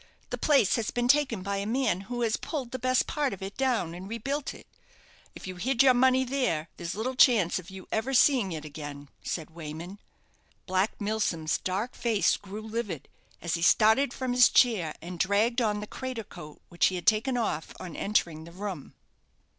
The place has been taken by a man, who has pulled the best part of it down, and rebuilt it. If you hid your money there, there's little chance of your ever seeing it again," said Wayman. Black Milsom's dark face grew livid, as he started from his chair and dragged on the crater coat which he had taken off on entering the room.